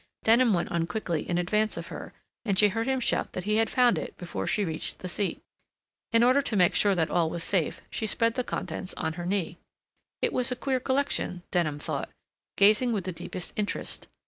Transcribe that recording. Denham went on quickly in advance of her, and she heard him shout that he had found it before she reached the seat. In order to make sure that all was safe she spread the contents on her knee. It was a queer collection, Denham thought, gazing with the deepest interest.